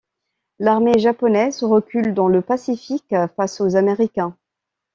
L'armée japonaise recule dans le Pacifique face aux Américains.